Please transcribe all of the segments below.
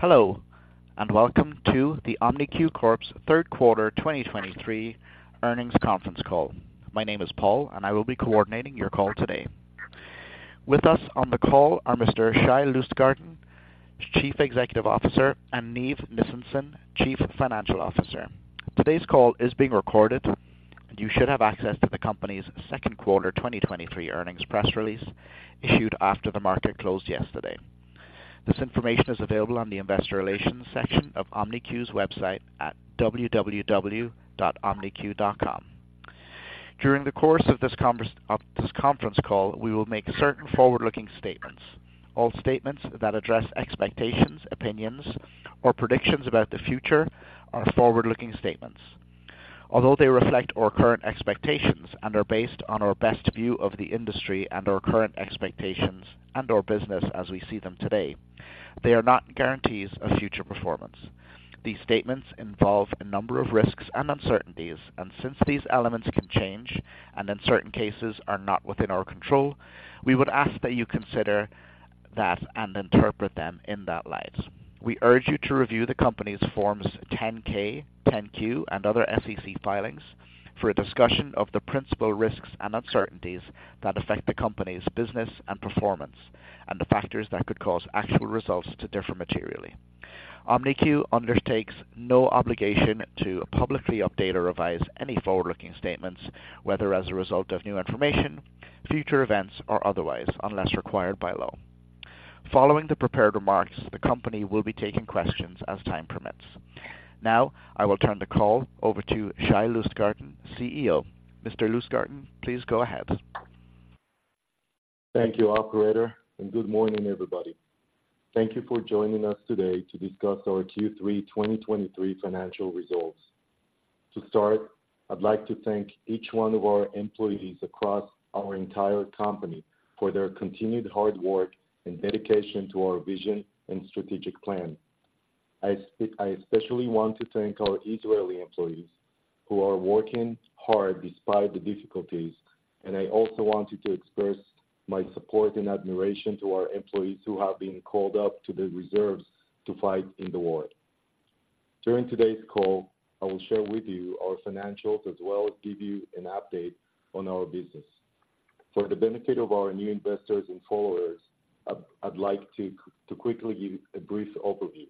Hello, and welcome to the OMNIQ Corp Third Quarter 2023 earnings conference call. My name is Paul, and I will be coordinating your call today. With us on the call are Mr. Shai Lustgarten, Chief Executive Officer, and Niv Nissenson, Chief Financial Officer. Today's call is being recorded, and you should have access to the company's second quarter 2023 earnings press release, issued after the market closed yesterday. This information is available on the investor relations section of OMNIQ's website at www.omniq.com. During the course of this conference call, we will make certain forward-looking statements. All statements that address expectations, opinions, or predictions about the future are forward-looking statements. Although they reflect our current expectations and are based on our best view of the industry and our current expectations and our business as we see them today, they are not guarantees of future performance. These statements involve a number of risks and uncertainties, and since these elements can change, and in certain cases are not within our control, we would ask that you consider that and interpret them in that light. We urge you to review the company's Forms 10-K, 10-Q, and other SEC filings for a discussion of the principal risks and uncertainties that affect the company's business and performance, and the factors that could cause actual results to differ materially. OMNIQ undertakes no obligation to publicly update or revise any forward-looking statements, whether as a result of new information, future events, or otherwise, unless required by law. Following the prepared remarks, the company will be taking questions as time permits. Now, I will turn the call over to Shai Lustgarten, CEO. Mr. Lustgarten, please go ahead. Thank you, operator, and good morning, everybody. Thank you for joining us today to discuss our Q3 2023 financial results. To start, I'd like to thank each one of our employees across our entire company for their continued hard work and dedication to our vision and strategic plan. I especially want to thank our [Israeli employees], who are working hard despite the difficulties, and I also wanted to express my support and admiration to our employees who have been called up to the reserves to fight in the war. During today's call, I will share with you our financials, as well as give you an update on our business. For the benefit of our new investors and followers, I'd like to quickly give a brief overview.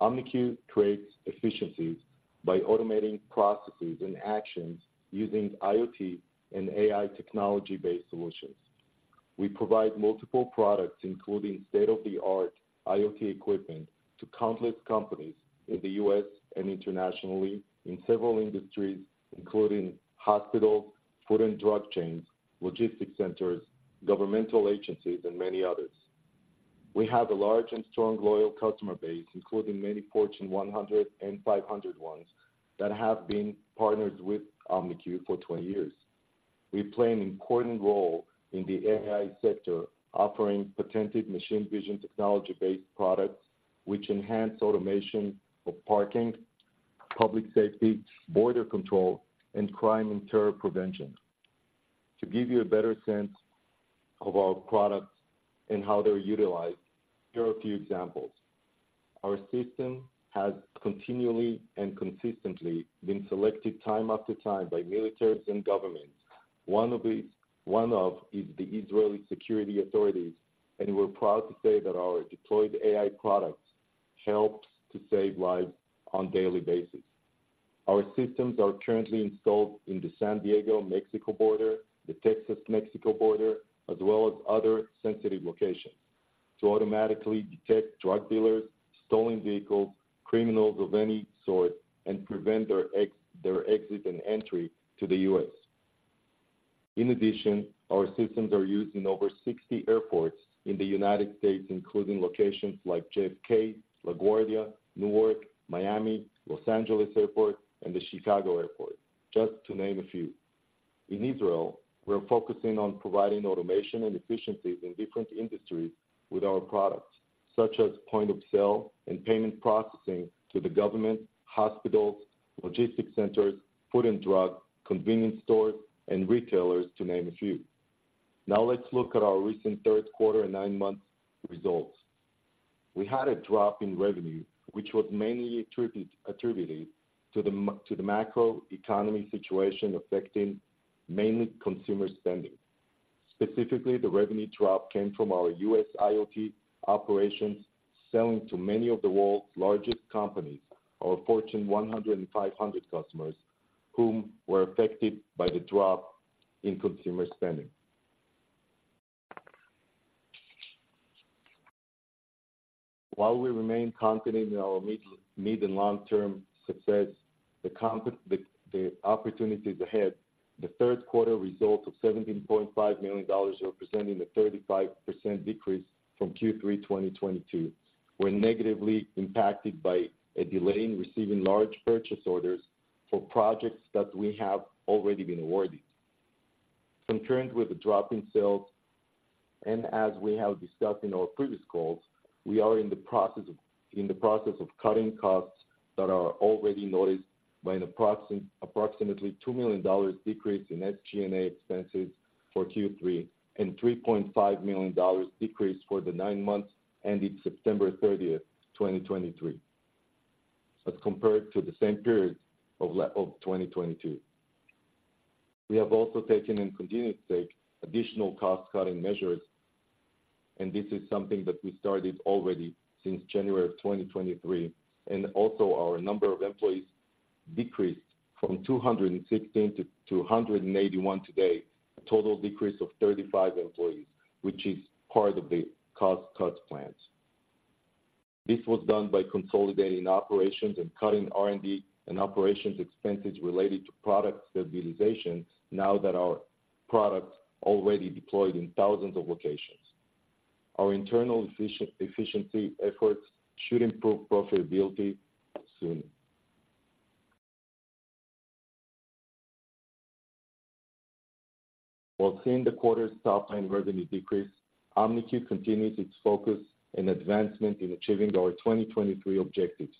OMNIQ creates efficiencies by automating processes and actions using IoT and AI technology-based solutions. We provide multiple products, including state-of-the-art IoT equipment, to countless companies in the U.S. and internationally in several industries, including hospitals, food and drug chains, logistics centers, governmental agencies, and many others. We have a large and strong, loyal customer base, including many Fortune 100 and 500 ones, that have been partners with OMNIQ for 20 years. We play an important role in the AI sector, offering patented machine vision technology-based products, which enhance automation for parking, public safety, border control, and crime and terror prevention. To give you a better sense of our products and how they're utilized, here are a few examples. Our system has continually and consistently been selected time after time by militaries and governments. One of them is the Israeli security authorities, and we're proud to say that our deployed AI products helps to save lives on daily basis. Our systems are currently installed in the San Diego-Mexico border, the Texas-Mexico border, as well as other sensitive locations, to automatically detect drug dealers, stolen vehicles, criminals of any sort, and prevent their their exit and entry to the U.S. In addition, our systems are used in over 60 airports in the United States, including locations like JFK, LaGuardia, Newark, Miami, Los Angeles Airport, and the Chicago Airport, just to name a few. In Israel, we're focusing on providing automation and efficiencies in different industries with our products, such as point-of-sale and payment processing to the government, hospitals, logistics centers, food and drug, convenience stores, and retailers, to name a few. Now, let's look at our recent third quarter and nine-month results. We had a drop in revenue, which was mainly attributed to the to the macro economy situation, affecting mainly consumer spending. Specifically, the revenue drop came from our U.S. IoT operations, selling to many of the world's largest companies, our Fortune 100 and 500 customers, whom were affected by the drop in consumer spending. While we remain confident in our mid- and long-term success, the opportunities ahead, the third quarter results of $17.5 million, representing a 35% decrease from Q3 2022, were negatively impacted by a delay in receiving large purchase orders for projects that we have already been awarded. Concurrent with the drop in sales, and as we have discussed in our previous calls, we are in the process of cutting costs that are already noticed by an approximately $2 million decrease in SG&A expenses for Q3, and $3.5 million decrease for the nine months ending September 30th, 2023, as compared to the same period of of 2022. We have also taken and continue to take additional cost-cutting measures, and this is something that we started already since January 2023. Also our number of employees decreased from 216 to 181 today, a total decrease of 35 employees, which is part of the cost cut plans. This was done by consolidating operations and cutting R&D and operations expenses related to product stabilization now that our product already deployed in thousands of locations. Our internal efficiency efforts should improve profitability soon. While seeing the quarter's top-line revenue decrease, OMNIQ continues its focus and advancement in achieving our 2023 objectives,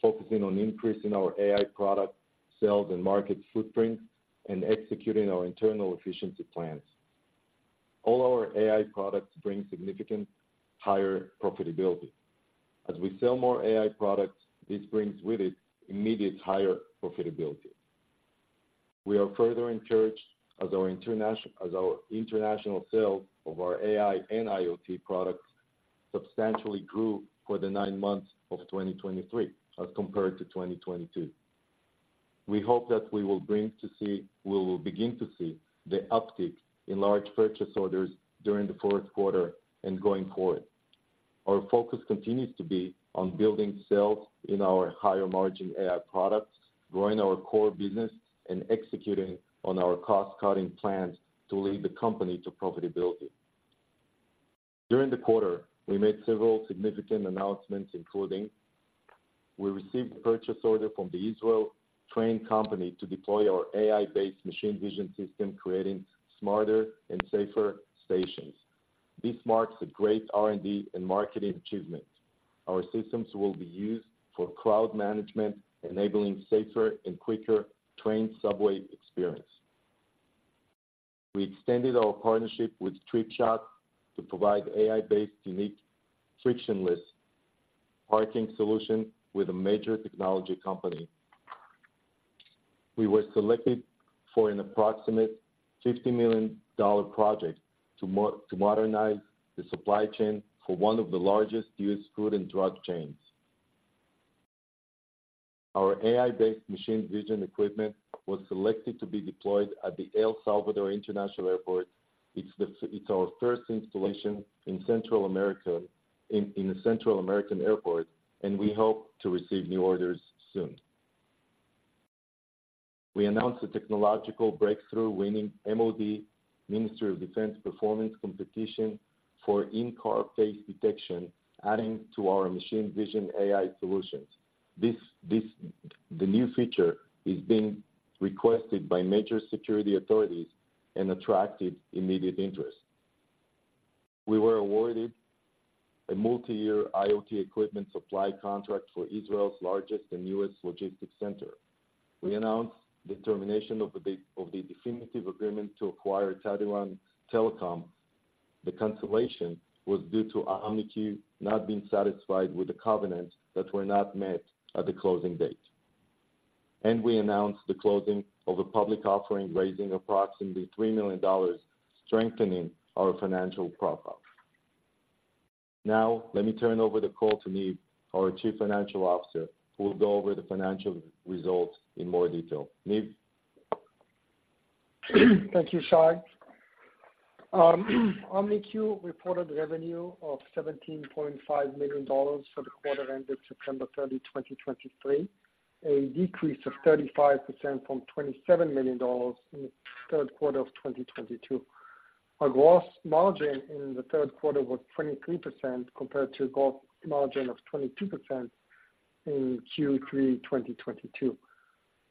focusing on increasing our AI product sales and market footprint, and executing our internal efficiency plans. All our AI products bring significant higher profitability. As we sell more AI products, this brings with it immediate higher profitability. We are further encouraged as our international sales of our AI and IoT products substantially grew for the nine months of 2023 as compared to 2022. We hope that we will begin to see the uptick in large purchase orders during the fourth quarter and going forward. Our focus continues to be on building sales in our higher margin AI products, growing our core business, and executing on our cost-cutting plans to lead the company to profitability. During the quarter, we made several significant announcements, including: we received a purchase order from the Israel Train Company to deploy our AI-based machine vision system, creating smarter and safer stations. This marks a great R&D and marketing achievement. Our systems will be used for crowd management, enabling safer and quicker train subway experience. We extended our partnership with TripShot to provide AI-based, unique, frictionless parking solution with a major technology company. We were selected for an approximate $50 million project to modernize the supply chain for one of the largest U.S. food and drug chains. Our AI-based machine vision equipment was selected to be deployed at the El Salvador International Airport. It's our first installation in Central America, in a Central American airport, and we hope to receive new orders soon. We announced a technological breakthrough, winning MOD, Ministry of Defense, performance competition for in-car face detection, adding to our machine vision AI solutions. This, the new feature is being requested by major security authorities and attracted immediate interest. We were awarded a multi-year IoT equipment supply contract for Israel's largest and newest logistics center. We announced the termination of the definitive agreement to acquire Tadiran Telecom. The cancellation was due to OMNIQ not being satisfied with the covenants that were not met at the closing date. We announced the closing of a public offering, raising approximately $3 million, strengthening our financial profile. Now, let me turn over the call to Niv, our Chief Financial Officer, who will go over the financial results in more detail. Niv? Thank you, Shai. OMNIQ reported revenue of $17.5 million for the quarter ended September 30, 2023, a decrease of 35% from $27 million in the third quarter of 2022. Our gross margin in the third quarter was 23%, compared to a gross margin of 22% in Q3 2022.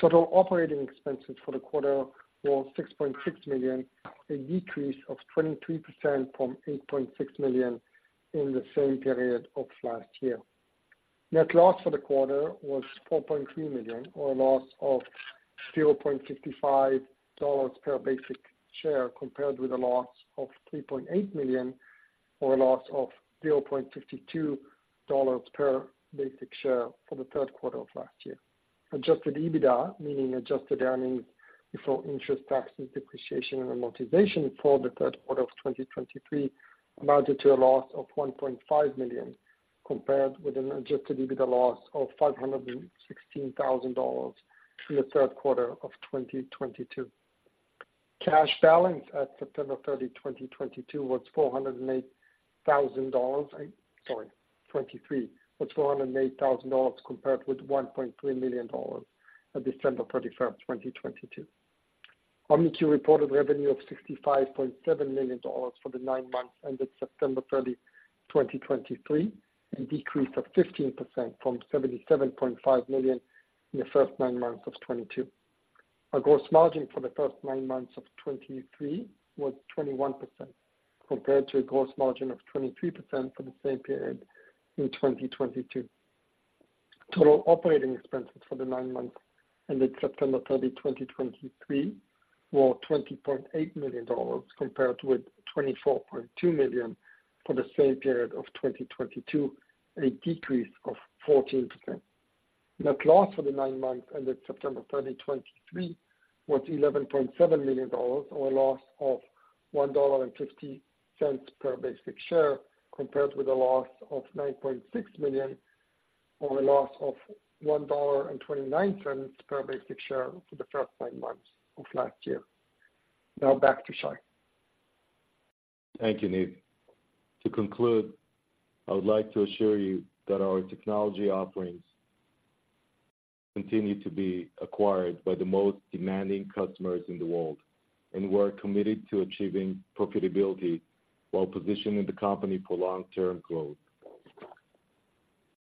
Total operating expenses for the quarter were $6.6 million, a decrease of 23% from $8.6 million in the same period of last year. Net loss for the quarter was $4.3 million, or a loss of $0.55 per basic share, compared with a loss of $3.8 million, or a loss of $0.52 per basic share for the third quarter of last year. Adjusted EBITDA, meaning adjusted earnings before interest, taxes, depreciation, and amortization for the third quarter of 2023, amounted to a loss of $1.5 million, compared with an adjusted EBITDA loss of $516,000 in the third quarter of 2022. Cash balance at September 30, 2022, was $408,000. Sorry, 2023, was $408,000, compared with $1.3 million at December 31st, 2022. OMNIQ reported revenue of $65.7 million for the nine months ended September 30, 2023, a decrease of 15% from $77.5 million in the first nine months of 2022. Our gross margin for the first nine months of 2023 was 21%, compared to a gross margin of 23% for the same period in 2022. Total operating expenses for the nine months ended September 30, 2023, were $20.8 million, compared to $24.2 million for the same period of 2022, a decrease of 14%. Net loss for the nine months ended September 30, 2023, was $11.7 million, or a loss of $1.50 per basic share, compared with a loss of $9.6 million, or a loss of $1.29 per basic share for the first nine months of last year. Now back to Shai. Thank you, Niv. To conclude, I would like to assure you that our technology offerings continue to be acquired by the most demanding customers in the world, and we're committed to achieving profitability while positioning the company for long-term growth.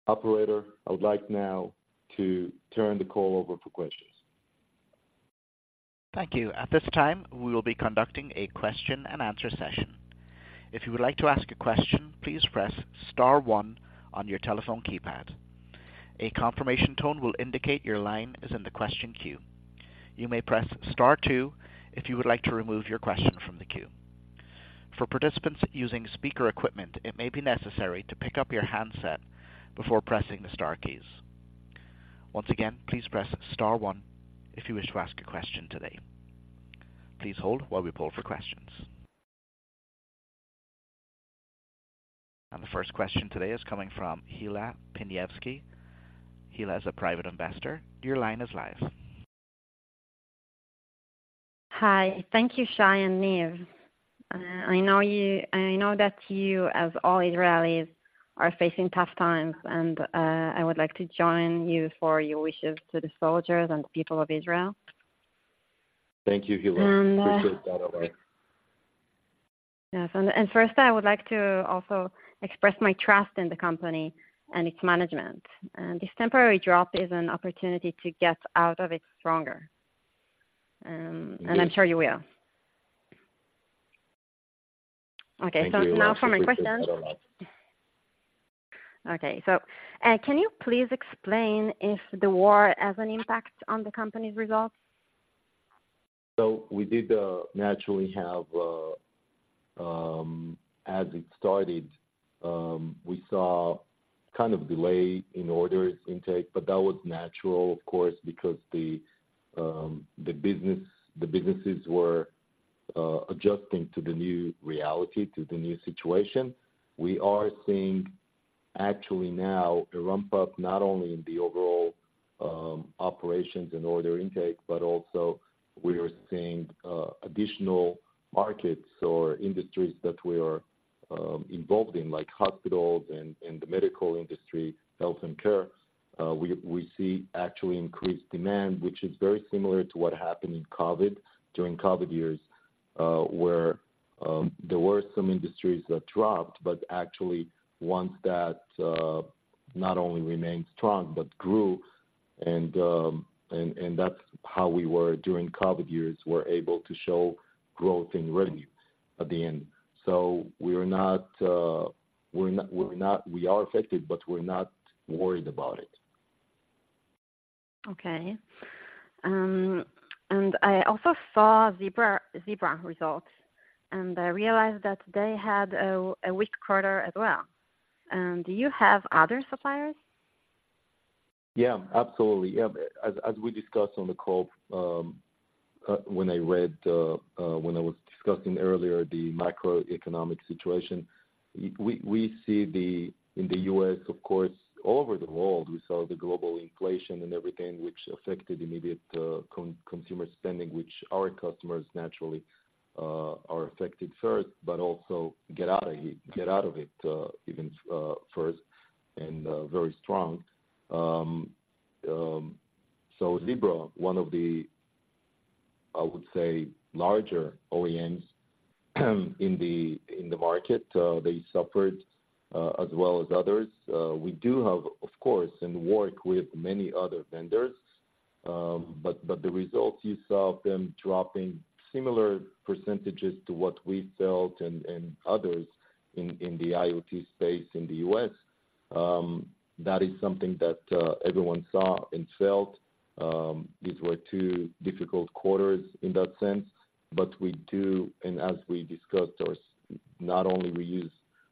Operator, I would like now to turn the call over for questions. Thank you. At this time, we will be conducting a question-and-answer session. If you would like to ask a question, please press star one on your telephone keypad. A confirmation tone will indicate your line is in the question queue. You may press star two if you would like to remove your question from the queue. For participants using speaker equipment, it may be necessary to pick up your handset before pressing the star keys. Once again, please press star one if you wish to ask a question today. Please hold while we pull for questions. The first question today is coming from Hila Piniewski. Hila is a private investor. Your line is live. Hi. Thank you, Shai and Niv. I know that you, as all Israelis, are facing tough times, and I would like to join you for your wishes to the soldiers and the people of Israel. Thank you, Hila. And, uh- Appreciate that a lot. Yes, and first, I would like to also express my trust in the company and its management. And this temporary drop is an opportunity to get out of it stronger, and I'm sure you will. Thank you. Okay, so now for my question. Thank you. Okay. So, can you please explain if the war has an impact on the company's results? So we did naturally have, as it started, we saw kind of delay in orders intake, but that was natural, of course, because the, the business, the businesses were adjusting to the new reality, to the new situation. We are seeing actually now a ramp-up, not only in the overall operations and order intake, but also we are seeing additional markets or industries that we are involved in, like hospitals and the medical industry, health and care. We see actually increased demand, which is very similar to what happened in COVID, during COVID years, where there were some industries that dropped, but actually ones that not only remained strong but grew, and that's how we were during COVID years. We're able to show growth in revenues at the end. We are affected, but we're not worried about it. Okay. I also saw Zebra, Zebra results, and I realized that they had a weak quarter as well. Do you have other suppliers? Yeah, absolutely. Yeah, as we discussed on the call, when I was discussing earlier the macroeconomic situation, we see the... In the U.S., of course, all over the world, we saw the global inflation and everything, which affected immediate consumer spending, which our customers naturally are affected first, but also get out of it, get out of it, even first and very strong. So Zebra, one of the, I would say, larger OEMs in the market, they suffered as well as others. We do have, of course, and work with many other vendors, but the results, you saw them dropping similar percentages to what we felt and others in the IoT space in the U.S. That is something that everyone saw and felt. These were two difficult quarters in that sense, but we do, and as we discussed, those, not only we use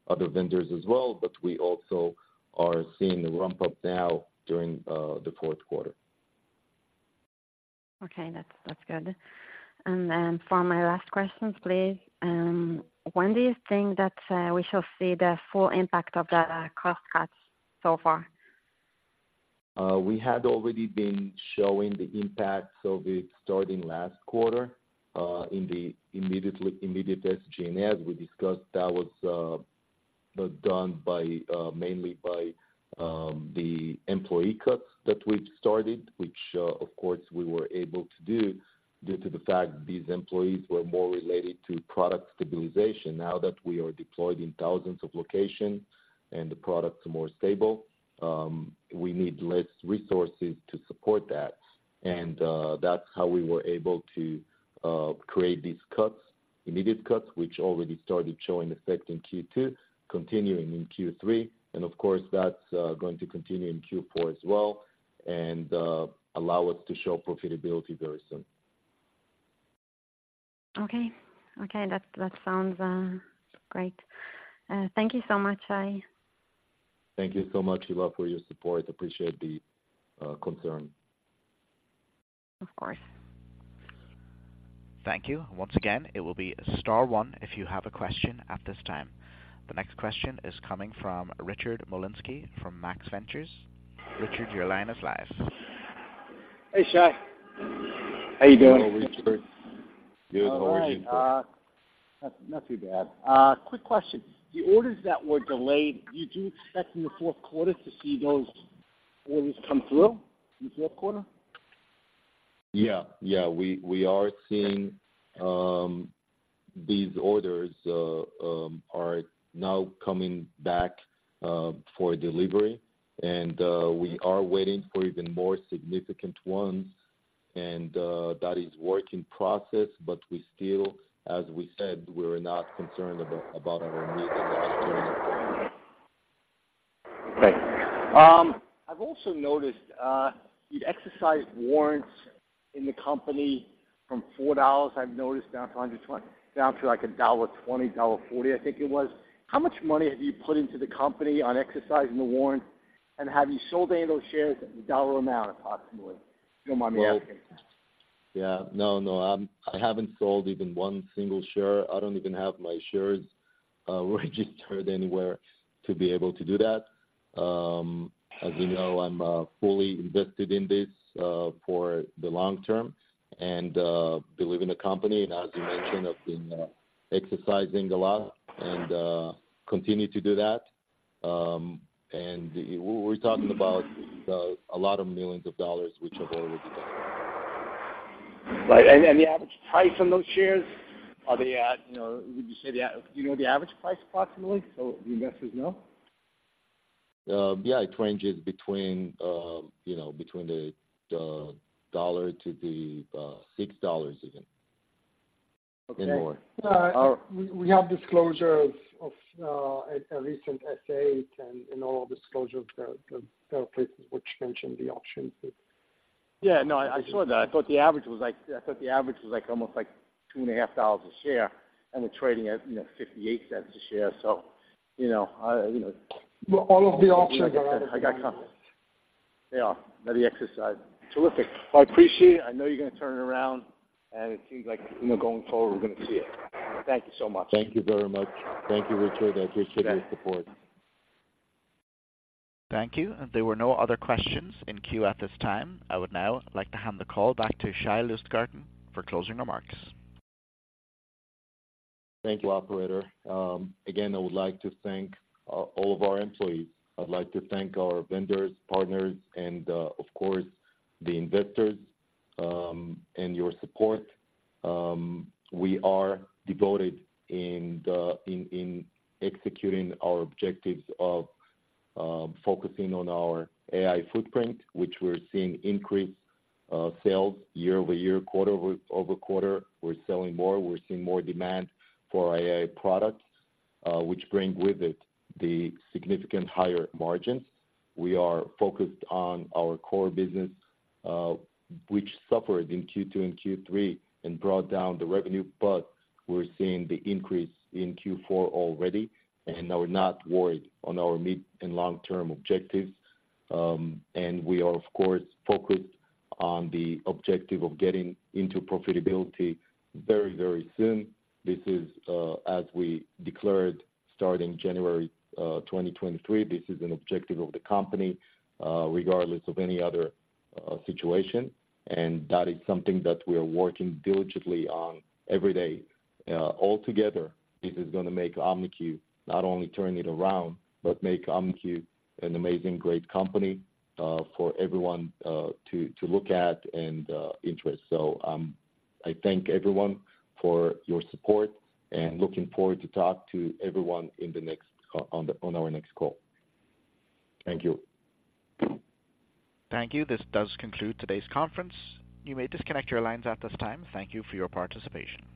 other vendors as well, but we also are seeing a ramp-up now during the fourth quarter. Okay, that's, that's good. And then for my last questions, please, when do you think that we shall see the full impact of the cost cuts so far? We had already been showing the impact, so we starting last quarter in the immediate SG&A. We discussed that was done by mainly by the employee cuts that we've started, which of course we were able to do due to the fact these employees were more related to product stabilization. Now that we are deployed in thousands of locations and the products are more stable, we need less resources to support that. And that's how we were able to create these cuts, immediate cuts, which already started showing effect in Q2, continuing in Q3, and of course that's going to continue in Q4 as well, and allow us to show profitability very soon. Okay. Okay, that, that sounds great. Thank you so much, Shai. Thank you so much, Hila, for your support. Appreciate the concern. Of course. Thank you. Once again, it will be star one if you have a question at this time. The next question is coming from Richard Molinsky from Max Ventures. Richard, your line is live. Hey, Shai. How you doing? Hello, Richard. Good. How are you, Richard? Not too bad. Quick question: the orders that were delayed, did you expect in the fourth quarter to see those orders come through in the fourth quarter? Yeah. Yeah, we are seeing these orders are now coming back for delivery, and we are waiting for even more significant ones, and that is work in process, but we still, as we said, we're not concerned about our mid- and long-term plans. Thanks. I've also noticed, you've exercised warrants in the company from $4, I've noticed, down to 120- down to, like, $1.20, $1.40, I think it was. How much money have you put into the company on exercising the warrants, and have you sold any of those shares, dollar amount, approximately? If you don't mind me asking. Well, yeah, no, no, I haven't sold even one single share. I don't even have my shares registered anywhere to be able to do that. As you know, I'm fully invested in this for the long term and believe in the company. And as you mentioned, I've been exercising a lot and continue to do that. And we're talking about a lot of millions of dollars which I've already done. Right. And the average price on those shares, are they at, you know? Would you say do you know the average price, approximately, so the investors know? Yeah, it ranges between, you know, $1-$6 even. Okay. And more. We have disclosures of a recent essay, and in all disclosures, there are places which mention the options. Yeah, no, I, I saw that. I thought the average was like, I thought the average. was, like, almost, like, [$2.50] a share, and we're trading at, you know, $0.58 a share. So, you know, you know- Well, all of the options are- I got confidence. Yeah, that you exercised. Terrific. Well, I appreciate it. I know you're gonna turn it around, and it seems like, you know, going forward, we're gonna see it. Thank you so much. Thank you very much. Thank you, Richard. I appreciate your support. Thank you. There were no other questions in queue at this time. I would now like to hand the call back to Shai Lustgarten for closing remarks. Thank you, operator. Again, I would like to thank all of our employees. I'd like to thank our vendors, partners, and, of course, the investors, and your support. We are devoted to executing our objectives of focusing on our AI footprint, which we're seeing increased sales year over year, quarter over quarter. We're selling more, we're seeing more demand for AI products, which bring with it the significant higher margins. We are focused on our core business, which suffered in Q2 and Q3 and brought down the revenue, but we're seeing the increase in Q4 already, and are not worried on our mid- and long-term objectives. And we are, of course, focused on the objective of getting into profitability very, very soon. This is, as we declared, starting January 2023, this is an objective of the company, regardless of any other situation, and that is something that we are working diligently on every day. Altogether, this is gonna make OMNIQ, not only turn it around, but make OMNIQ an amazing, great company, for everyone, to look at and interest. So, I thank everyone for your support and looking forward to talk to everyone on our next call. Thank you. Thank you. This does conclude today's conference. You may disconnect your lines at this time. Thank you for your participation.